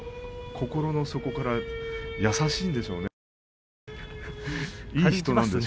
心の底から優しいんでしょうね。